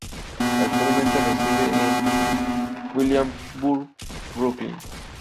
Actualmente reside en Williamsburg, Brooklyn.